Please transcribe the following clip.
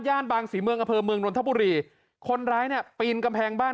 ย่านบางศรีเมืองอเภอเมืองนวลทะปุริคนร้ายเนี้ยปีนกำแพงบ้าน